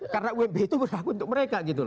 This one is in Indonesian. karena ump itu berlaku untuk mereka